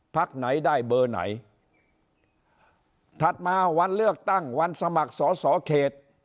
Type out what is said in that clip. พักไหนได้เบอร์ไหนถัดมาวันเลือกตั้งวันสมัครสอสอเขต